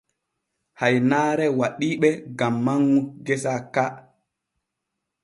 Haynaare waɗii ɓe gam manŋu gesa ka.